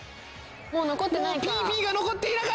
もう残ってないか。